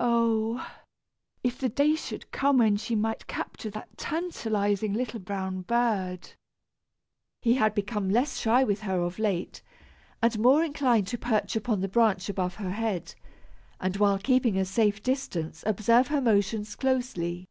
Oh! if the day should come, when she might capture that tantalizing little brown bird! He had become less shy with her of late, and more inclined to perch upon the branch above her head, and, while keeping a safe distance, observe her motions closely.